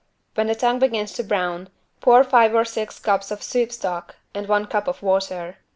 When the tongue begins to brown, pour five or six cups of soup stock and one cup of water.